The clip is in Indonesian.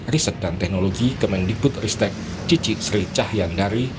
riset dan teknologi kemendikbud ristek cici sri cahyandari